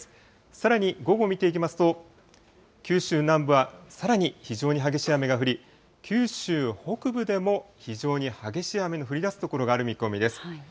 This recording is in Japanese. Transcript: さらに午後、見ていきますと、九州南部はさらに非常に激しい雨が降り、九州北部でも非常に激しい雨の降りだす所がある見込みです。